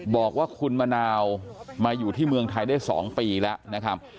บอกว่าคุณมะนาวมาอยู่ที่เมืองไทยได้๒ปีแล้วนะครับ